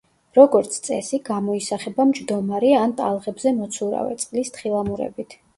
როგორც წესი, გამოისახება მჯდომარე ან ტალღებზე მოცურავე, წყლის თხილამურებით.